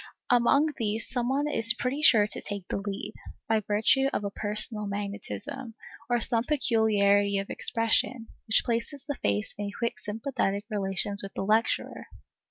Among these some one is pretty sure to take the lead, by virtue of a personal magnetism, or some peculiarity of expression, which places the face in quick sympathetic relations with the lecturer.